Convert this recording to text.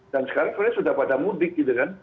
dan sekarang sudah pada mudik